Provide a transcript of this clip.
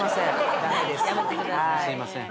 すいません